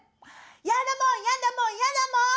やだもんやだもんやだもん！